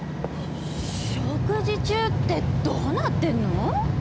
食事中ってどうなってんの？